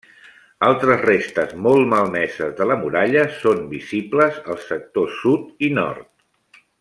Altres restes molt malmeses de la muralla són visibles als sectors sud i nord.